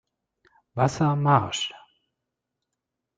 Wasser marsch!